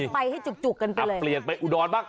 ไปให้จุกกันไปเลย